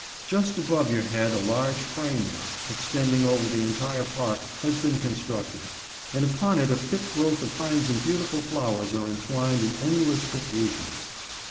Just above your head a large frame work, extending over the entire park, has been constructed, and upon it a thick growth of vines and beautiful flowers are entwined in endless profusion.